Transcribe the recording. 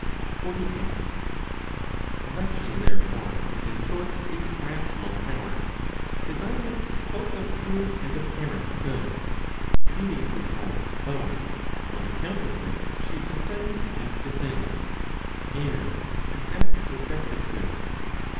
48. Election, therefore, is in short, a rational power, desirous both of true and apparent good, leading the soul to both, on account of which she ascends and descends, errs, and acts with rectitude.